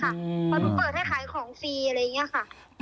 เพราะหนูเปิดให้ขายของฟรีอะไรอย่างนี้ค่ะ